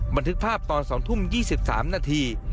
บันทึกภาพตอน๒ทุ่ม๒๓นาที